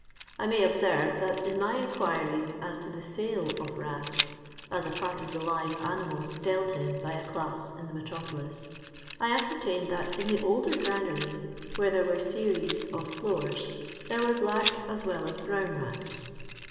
I may observe that in my inquiries as to the sale of rats (as a part of the live animals dealt in by a class in the metropolis), I ascertained that in the older granaries, where there were series of floors, there w^ black as well as brown mts.